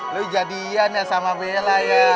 lo jadian ya sama bella ya